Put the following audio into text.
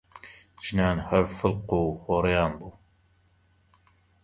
ژنان هەر فڵقوهۆڕیان بوو!